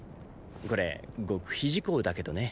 これ極秘事項だけどね。